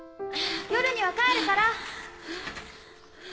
夜には帰るから！